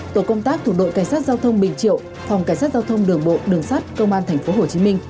tổ công tác thuộc đội cảnh sát giao thông bình triệu phòng cảnh sát giao thông đường bộ đường sát công an tp hcm